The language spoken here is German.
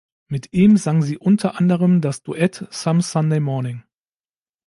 Mit ihm sang sie unter anderem das Duett Some Sunday Morning.